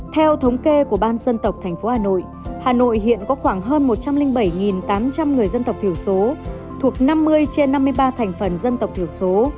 theo thống kê của ban dân tộc thành phố hà nội hà nội hiện có khoảng hơn một trăm linh bảy tám trăm linh người dân tộc thiểu số thuộc năm mươi trên năm mươi ba thành phần dân tộc thiểu số